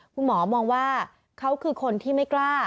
คุณหมอมองว่าเขาคือคนที่ไม่กล้า